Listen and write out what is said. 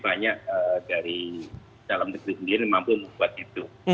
banyak dari dalam negeri sendiri mampu membuat itu